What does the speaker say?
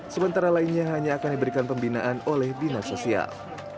sementara lainnya hanya akan diberikan pembinaan oleh dinas sosial